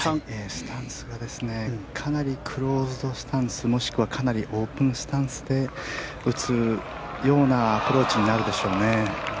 スタンスがかなりクローズドスタンスもしくはかなりオープンスタンスで打つようなアプローチになるでしょうね。